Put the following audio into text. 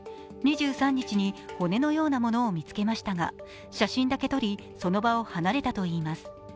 ２３日に骨のようなものを見つけましたが、写真だけ撮りその場を離れたといいます。